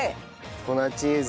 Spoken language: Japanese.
粉チーズ。